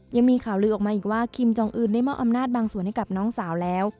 ยังมีข่าวลือออกมาอีกว่าคิมจองอื่นได้มอบอำนาจบางส่วนให้กับน้องสาวแล้ว